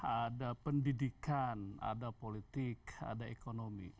ada pendidikan ada politik ada ekonomi